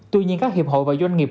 tuy nhiên các hiệp hội và doanh nghiệp